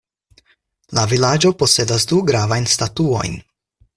La vilaĝo posedas du gravajn statuojn.